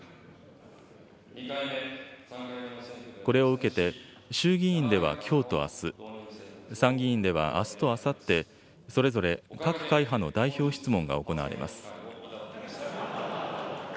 これを受けて、衆議院ではきょうとあす、参議院ではあすとあさって、それぞれ各会派の代表質問が行われます。